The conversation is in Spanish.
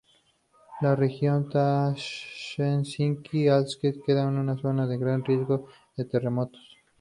La región Tatshenshini-Alsek queda en una zona de gran riesgo de terremotos.